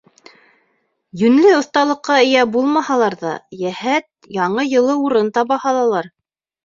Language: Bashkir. Йүнле оҫталыҡҡа эйә булмаһалар ҙа, йәһәт яңы йылы урын таба һалалар.